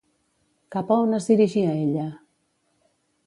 Cap a on es dirigia ella?